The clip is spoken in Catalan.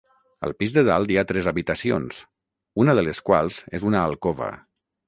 Al pis de dalt hi ha tres habitacions, una de les quals és una alcova.